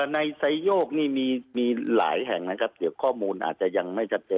ในไซโยกนี่มีหลายแห่งนะครับเดี๋ยวข้อมูลอาจจะยังไม่ชัดเจน